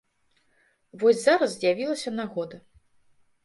Вось зараз з'явілася нагода.